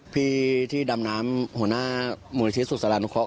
พี่ที่ดำน้ำหัวหน้ามหาวิทยุสุศลานุเคราะห์